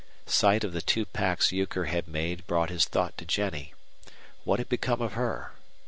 Sight of the two packs Euchre had made brought his thought to Jennie. What had become of her?